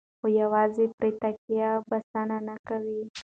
خو یوازې پرې تکیه بسنه نه کوي.